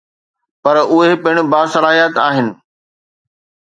پر اهي پڻ باصلاحيت آهن.